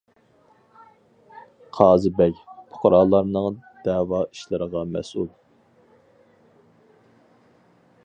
قازى بەگ: پۇقرالارنىڭ دەۋا ئىشلىرىغا مەسئۇل.